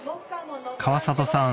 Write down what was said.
川里さん